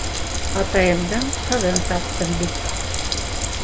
-Атайымдың ҡыҙын таптым бит.